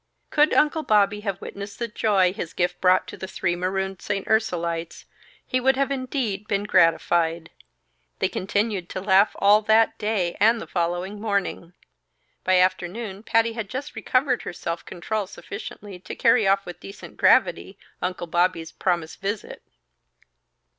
Could Uncle Bobby have witnessed the joy his gift brought to three marooned St. Ursulites, he would have indeed been gratified. They continued to laugh all that day and the following morning. By afternoon Patty had just recovered her self control sufficiently to carry off with decent gravity Uncle Bobby's promised visit.